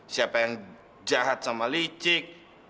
siapa yang jahat sama licik